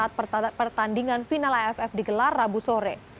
di pertandingan final aff di gelar rabu sore